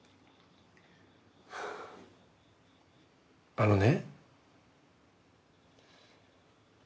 あのね。